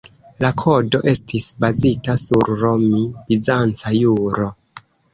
La Kodo estis bazita sur romi-bizanca juro.